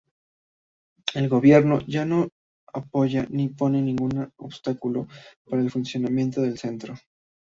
El gobierno no apoya ni pone ningunos obstáculos para el funcionamiento del Centro.